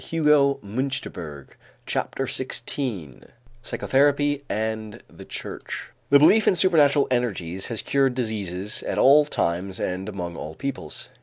PART III THE PLACE OF PSYCHOTHERAPY XII PSYCHOTHERAPY AND THE CHURCH The belief in supernatural energies has cured diseases at all times and among all peoples.